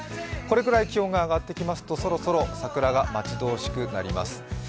これくらい気温が上がってきますと、そろそろ桜が待ち遠しくなります。